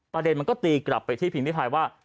ประเด็นมันก็ตีกลับไปที่พิมพิพายว่า